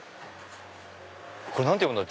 これ何て読むんだろう？